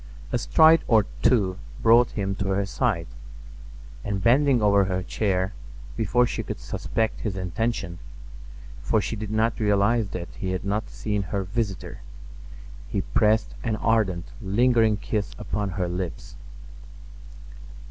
A stride or two brought him to her side, and bending over her chair—before she could suspect his intention, for she did not realize that he had not seen her visitor—he pressed an ardent, lingering kiss upon her lips.